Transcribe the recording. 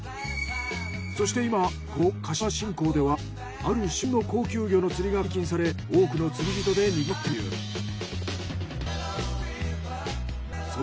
そして今ここ鹿島新港ではある旬の高級魚の釣りが解禁され多くの釣り人でにぎわっているという。